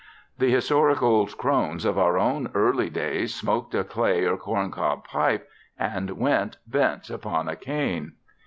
The historic old croons of our own early days smoked a clay or a corn cob pipe and went bent upon a cane.